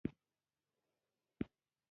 د زړه روغتیا ساتنه د اوږد ژوند راز دی.